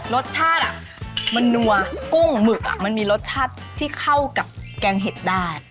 รสชาติมันนัวกุ้งหมึกมันมีรสชาติที่เข้ากับแกงเห็ดได้